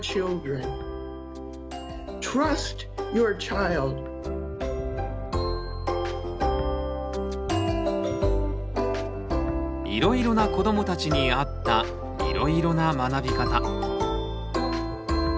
いろいろな子どもたちに合ったいろいろな学び方。